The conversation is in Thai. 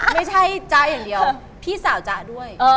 ไม่ใช่จ๊ะอย่างเดียวพี่สาวจ๊ะด้วย